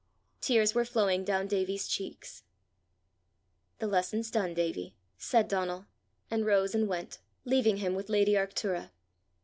Tears were flowing down Davie's checks. "The lesson's done, Davie," said Donal, and rose and went, leaving him with lady Arctura.